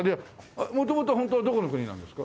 元々はホントはどこの国なんですか？